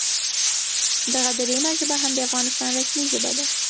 دغه دریمه ژبه هم د افغانستان رسمي ژبه ده